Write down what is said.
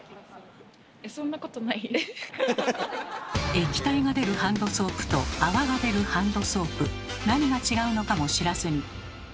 液体が出るハンドソープと泡が出るハンドソープ何が違うのかも知らずに。